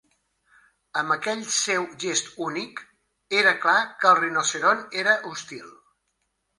Amb aquell seu gest únic, era clar que el rinoceront era hostil.